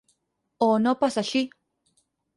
O no pas així.